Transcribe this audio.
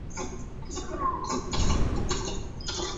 属京畿大区。